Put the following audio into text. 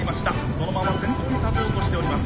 そのまま先頭に立とうとしております。